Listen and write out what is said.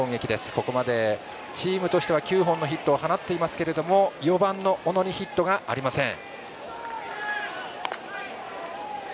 ここまでチームとしては９本のヒットを放っていますが４番の小野にヒットがありません。